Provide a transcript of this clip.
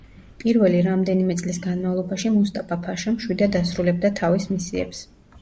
პირველი რამდენიმე წლის განმავლობაში მუსტაფა-ფაშა მშვიდად ასრულებდა თავის მისიებს.